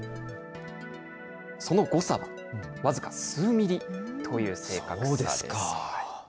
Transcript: その誤差は、僅か数ミリという正確さです。